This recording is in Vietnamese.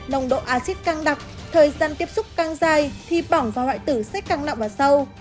nồng độ axit càng đặc thời gian tiếp xúc càng dài thì bỏng vào hoại tử sẽ càng nặng và sâu